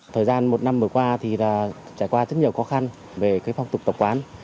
thời gian một năm vừa qua thì trải qua rất nhiều khó khăn về phong tục tập quán